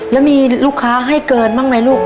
แล้วมีลูกค้าให้เกินบ้างไหมลูก